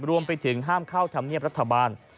รวมไปถึงห้ามเข้าธรรมเนียบรัฐบาล